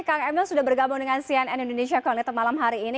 kang emil sudah bergabung dengan cnn indonesia connected malam hari ini